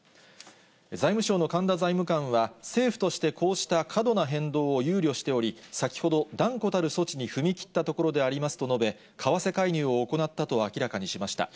財務省の神田財務官は、政府としてこうした過度な変動を憂慮しており、先ほど断固たる措置に踏み切ったところでありますと述べ、為替介入を行ったと明らかにしました。